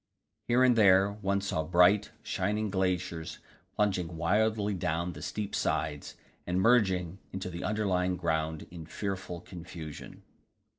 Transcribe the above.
Here and there one saw bright, shining glaciers plunging wildly down the steep sides, and merging into the underlying ground in fearful confusion.